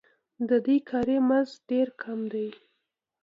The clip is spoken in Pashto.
د دوی کاري مزد ډېر کم دی